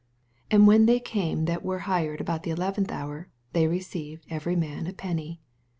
9 And when they came that wen hired about the eleventh hour, they received every man a penny.